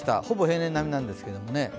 ほぼ平年並みなんですけどね。